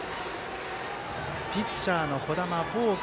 ピッチャーの児玉、ボーク。